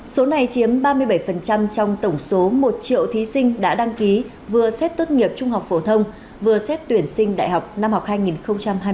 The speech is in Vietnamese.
số này chiếm ba mươi bảy trong tổng số một triệu thí sinh đã đăng ký vừa xét tốt nghiệp trung học phổ thông vừa xét tuyển sinh đại học năm học hai nghìn hai mươi